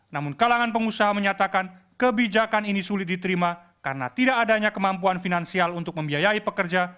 namun kalangan pengusaha menyatakan kebijakan ini sulit diterima karena tidak adanya kemampuan finansial untuk membiayai pekerja